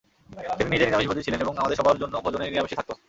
তিনি নিজে নিরামিষভোজী ছিলেন এবং আমাদের সবার জন্যও ভোজনে নিরামিষই থাকত।